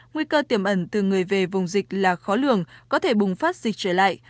nguy cơ tiềm ẩn từ người về vùng dịch là khó lường có thể bùng phát dịch trở lại